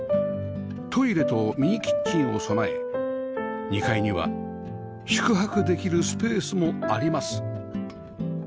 トイレとミニキッチンを備え２階には宿泊できるスペースもあります